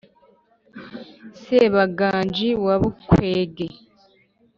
Sebaganji ba Bukwege